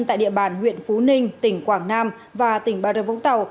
tại địa bàn huyện phú ninh tỉnh quảng nam và tỉnh bà rơ vũng tàu